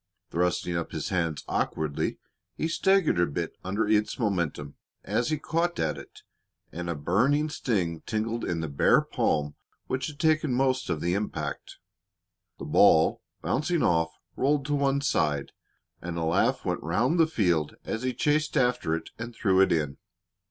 Thrusting up his hands awkwardly, he staggered a bit under its momentum, as he caught at it, and a burning sting tingled in the bare palm which had taken most of the impact. The ball, bouncing off, rolled to one side, and a laugh went round the field as he chased after it and threw it in.